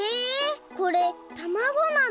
これたまごなの！？